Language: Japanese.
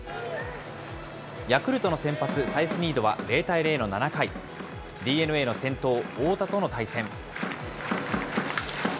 ヤクルトの先発、サイスニードは０対０の７回、ＤｅＮＡの先頭、大田との対戦。